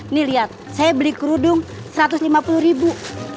ini lihat saya beli kerudung satu ratus lima puluh ribu